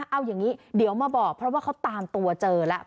เอาอย่างนี้เดี๋ยวมาบอกเพราะว่าเขาตามตัวเจอแล้ว